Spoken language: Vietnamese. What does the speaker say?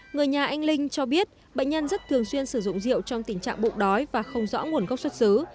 người nhà anh linh cho biết bệnh nhân rất thường xuyên sử dụng rượu trong tình trạng bụng đói và không rõ nguồn gốc xuất xứ